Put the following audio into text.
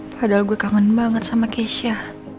padahal gue kangen banget sama keisha